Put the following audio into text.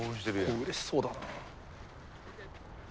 うれしそうだな。